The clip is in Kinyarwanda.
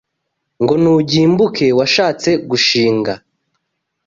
Ngo nugimbuka Washatse gushinga